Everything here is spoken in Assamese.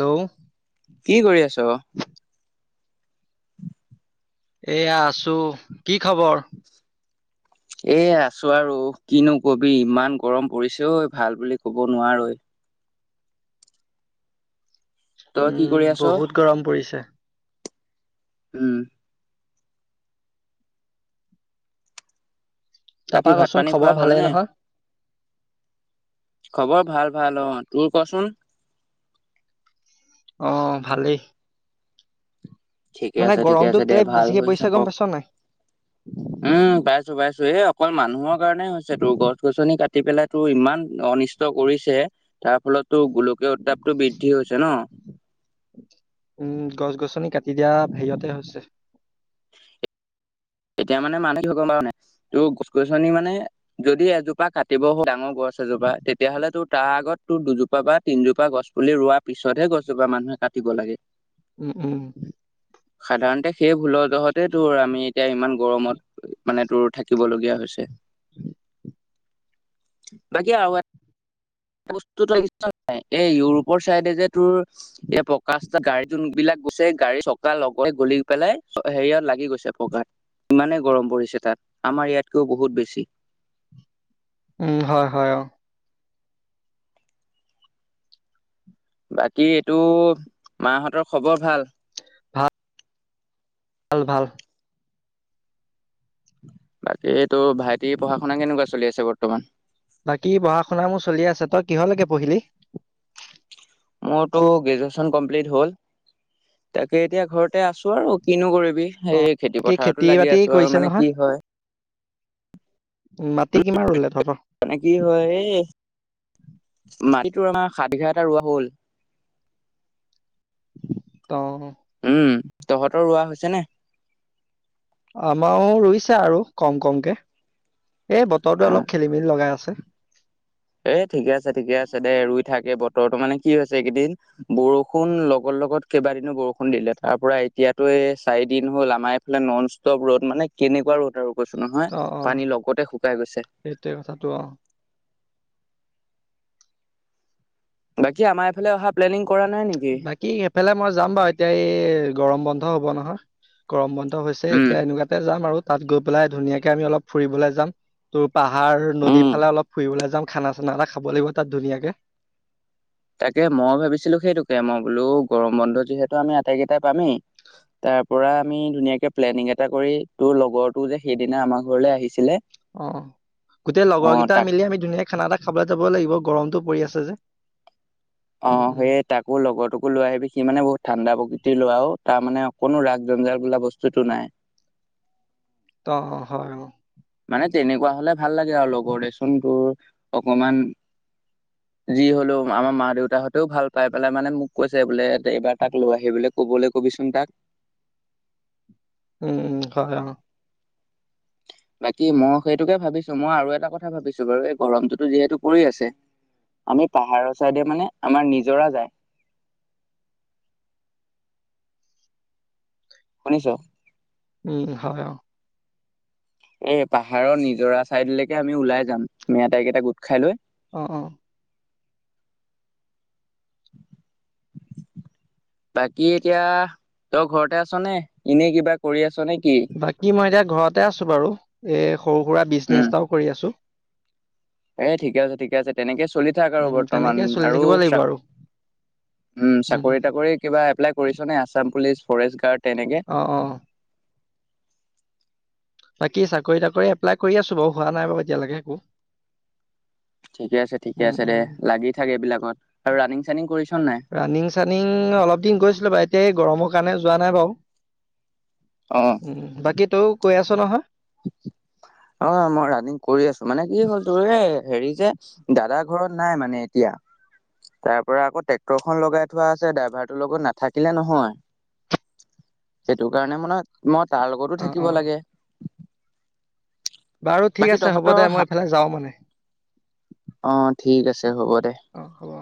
হেল্ল' কি কৰি আছ। এয়া আছো, কি খবৰ? এ আছো আৰু কিনো কবি ইমান গৰম পৰিছে ঐ ভাল বুলি কব নোৱাৰো। তই কি কৰি উম, আছ? বহুত গৰম পৰিছে। উম। বাকি তাৰপা ভাত কচোন পানী খোৱা খবৰ হ'ল ভালেই ন। নহয়? খবৰ ভাল, ভাল অ, তোৰ কচোন? অ, ভালেই। ঠিকে মানে আছে, ঠিকে গৰমটো আছে দে কেলে ভাল বেছিকে হৈ পৰিছে গম থাকক পাইছ নাই? উম, পাইছো, পাইছো। এ, অকল মানুহৰ কাৰণে হৈছে, তোৰ গছ, গছনি কাটি পেলাই তোৰ ইমান অনিষ্ট কৰিছে। তাৰ ফলতো গোলকীয় উত্তাপটো বৃদ্ধি হৈছে ন। উম, গছ, গছনি কাটি দিয়া হেৰিতে হৈছে। উ। এতিয়া মানে মানুহে কি গম পানে, তোৰ গছ, গছনি মানে যদি এজোপা কাটিব ডাঙৰ গছ এজোপা তেতিয়াহ'লে তো তাৰ আগত তোৰ দুজোপা বা তিনজোপা গছ পুলি ৰোৱাৰ পিছতহে গছজোপা মানুহে কাটিব লাগে। উম, উম। সাধাৰণতে সেই ভুলদহতে তোৰ আমি এতিয়া ইমান গৰমত মানে ত, থাকিবলগীয়া হৈছে। উ। বাকি আৰ বস্তুতো নি্চয় নাই এই, ইউৰোপৰ চাইডে যে তোৰ এই প্ৰকাশ ত, গাড়ী যোন বিলাক গৈছে। গাড়ী চকা লগতে গল পেলাই হেৰিয়ত লাগি গৈছে পকাত ইমানেই গৰম পৰিছে, তাত আমাৰ ইয়াতকৈও বহুত বেছি। উম, হয়, হয়, অ'। বাকী এইটো মাহঁতৰ খবৰ ভাল। ভাল, ভাল। বাকী এইটো ভাইটিৰ পঢ়া, শুনা কেনেকুৱা চলি আছে বৰ্তমান। বাকী পঢ়া, শুনা মোৰ চলি আছে, তই কিহৰলৈকে পঢ়িলি? মোৰতো গ্ৰেজুৱেচন কমপ্লিট হ'ল। তাকে, এতিয়া ঘৰতে আছো, আৰু কিনো কৰিব। অ সেই খেতি বাকী পথাৰতো লাগি বাতি আছো, আৰু কৰিছে মানে নহয় কি হয়? মাটি কিমান ৰুলে তহঁতৰ? মানে কি হয়? মাটিটোৰ আমাৰ সাতঘা এটা ৰোৱা হ'ল। অ'। উম, তহঁতৰ ৰোৱা হৈছে নে। আমাৰো ৰুইছে আৰু কম, কমকে এই বতৰটো অ, অলপ খেলি, মেলি লগাই আছে। বত, তো, মানে কি হৈছে, এই কেইদিন বৰষুণ লগৰ লগত কেইবাদিনো বৰষুণ দিলে তাৰ পৰা এতিয়াতো চাৰি দিন হ'ল আমাৰ এইফালে নন ষ্টপ ৰ'দ মানে কেনেকুৱা ৰ'দ আৰু। কৈছো নহয়, অ অ পানী লগতে শুকাই গৈছে। সেইটোৱে কথাটো অ বাকী আমাৰ এইফালে অহা প্লেনিং কৰা নাই নেকি? বাকী সেইফালে মই যাম বাৰু এতিয়া এই গৰম বন্ধ হ'ব নহয় গৰম বন্ধ। হৈছে উম এতিয়া এনেকুৱাতে যাম আৰু তাত গৈ পেলাই ধুনীয়াকে আমি অলপ ফুৰিবলৈ যাম তোৰ পৰা। পাৰ নদীৰ উম ফালে অলপ ফুৰিবলৈ যাওঁ খানা, চানা এটা খাব লাগিব তাত ধুনীয়াকে। তাকে মই ভাবিছিলো, সেইটোকে মই বোলো গৰম বন্ধ যিহেতু আমি আটাইকেইটাই পামেই। তাৰ পৰা আমি ধুনীয়াকে প্লেনিং এটা কৰি, তোৰ লগৰটো যে সেইদিনা আমাৰ ঘৰলে আহিছিলে। অ, গোটেই অ লগৰকেইটা তাক মিলি আমি ধুনীয়াকীয়া খানা এটা খাবলৈ যাব লাগিব গৰম পৰি আছে যে অ, উম, উম, সয় তাকো লগৰটোকো লৈ আহিবি সি মানে বহুত ঠাণ্ডা প্ৰকৃতিৰ লোৱাও। তাৰ মানে অকোনো ৰাস, জঞ্জাৰ বোলা বস্তুতটো নাই। অ, হয়। মানে তেনেকুৱা হলে ভাল লাগে আৰু লগৰ দেচোন তোৰ অকমান [inaudible] যি হ'লেও আমাৰ মা, দেউতাহঁতেও ভাল পাই পেলাই মানে মোক কৈছে বোলে, এইবাৰ তাক লৈ আহি বোলে ক'বলৈ ক'ব। চোন তাক উম উ হয়ান বাকী মই সেইটোকে ভাবিছো মই আৰু এটা কথা ভাবিছো বাৰু এই গৰমটোতো যিহেতু পৰি আছে আমি পাহাৰৰ চাইডে মানে আমাৰ নিজৰা যায় শুনিছো উম হয় এই পাহাৰৰ নিজৰা ছাইদলৈকে আমি ওলাই যাম আমি আতাইকেইটা গোট খাই লৈ অ অ বাকী এতিয়া তই ঘৰতে আছ নে এনেই কিবা কৰি আছ নে কি? বাকী মই এতিয়া ঘৰতে আছো বাৰু এই সৰু সুৰা বিজনেছ উম এটাও কৰি আছো এ ঠিকে আছে ঠিকে আছে তেনেকে চলি থাক আৰু উম, বৰ্তমান তেনেকে চলি আৰু থাকিব লাগিব চ আৰু উম চাকৰি তাকৰি কিবা এপ্লাই কৰিছ নে আছাম পুলিচ ফৰেষ্ট গাৰ্ড তেনেকে অ', অ'। বাকী চাকৰি তাকৰি এপ্লাই কৰি আছো বাৰু হোৱা নাই বাৰু এতিয়ালৈকে একো ঠিকে আছে ঠিকে উম আছে দে উম লাগি থাকে এই বিলাকত আৰু ৰানিং চানিং কৰিছো ৰানিং চানিং অলপ দিন গৈছিলো বাৰু এতিয়া এই গৰমৰ কাৰণে যোৱা নাই বাৰু অ উম বাকী তই কৈ আছ নহয় অ মই ৰাণিং কৰি আছো মানে কি হ'ল তোৰ হেই হেৰি যে দাদা ঘৰত নাই মানে এতিয়া তাৰ পৰা আকৌ ট্ৰেক্টৰখন লগাই থোৱা আছে ড্ৰাইভাৰটোৰ লগত নাথাকিলে নহয় সেইটো কাৰণে মানে মই তাৰ লগতো অ অ থাকিব লাগে বাৰু ঠিক বাকী আছে হ'ব তহঁতৰ দে মই এইফালে যাওঁ মানে। আহ ঠিক আছে হ'ব দে। অ হ'ব